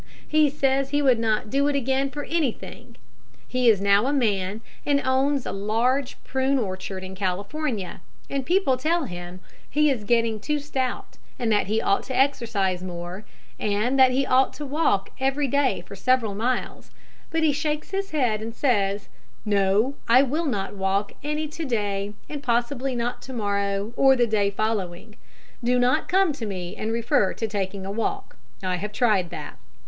He says he would not do it again for anything. He is now a man, and owns a large prune orchard in California, and people tell him he is getting too stout, and that he ought to exercise more, and that he ought to walk every day several miles; but he shakes his head, and says, "No, I will not walk any to day, and possibly not to morrow or the day following. Do not come to me and refer to taking a walk: I have tried that.